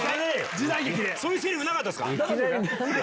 時代劇で⁉そういうセリフなかった？